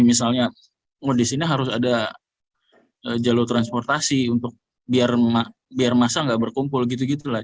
misalnya disini harus ada jalur transportasi biar masa nggak berkumpul gitu gitulah